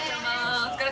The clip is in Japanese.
お疲れ！